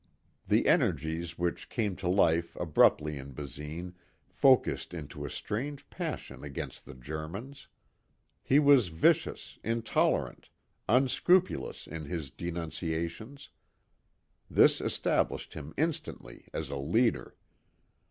The energies which came to life abruptly in Basine focused into a strange passion against the Germans. He was vicious, intolerant, unscrupulous in his denunciations. This established him instantly as a leader.